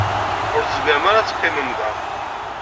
Ur tezmirem ara ad teqqimem da.